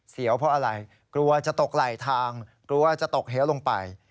วเพราะอะไรกลัวจะตกไหลทางกลัวจะตกเหวลงไป